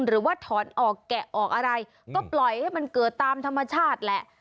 หรือว่าถอนออกแกะออกอะไรก็ปล่อยให้มันเกิดตามธรรมชาติแหละ